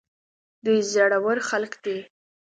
دوی زړه ور خلک دي.